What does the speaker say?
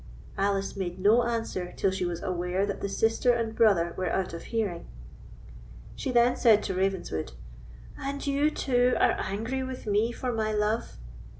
Alice made no answer till she was aware that the sister and brother were out of hearing. She then said to Ravenswood: "And you, too, are angry with me for my love?